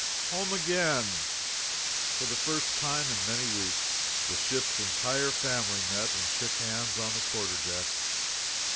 Home, again! For the first time, in many weeks, the ship's entire family met and shook hands on the quarter deck.